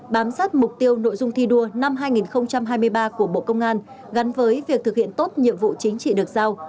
bám sát mục tiêu nội dung thi đua năm hai nghìn hai mươi ba của bộ công an gắn với việc thực hiện tốt nhiệm vụ chính trị được giao